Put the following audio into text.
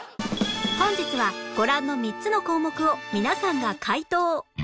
本日はご覧の３つの項目を皆さんが回答